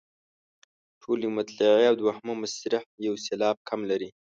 ټولې مطلعې او دوهمه مصرع یو سېلاب کم لري.